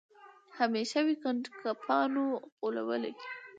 همېشه وي ګنډکپانو غولولی